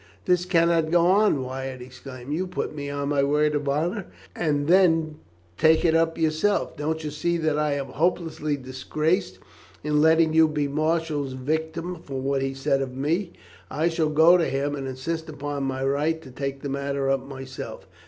"This cannot go on, Wyatt!" he exclaimed. "You put me on my word of honour and then take it up yourself. Don't you see that I am hopelessly disgraced in letting you be Marshall's victim for what he said of me. I shall go to him and insist upon my right to take the matter up myself."